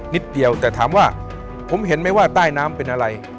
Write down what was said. นิดเดียวแต่ถามว่าผมเห็นไหมว่าใต้น้ำเป็นอะไร